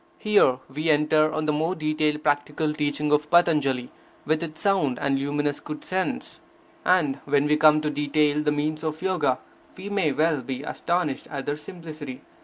Here, we enter on the more detailed practical teaching of Patanjali, with its sound and luminous good sense. And when we come to detail the means of Yoga, we may well be astonished at their simplicity.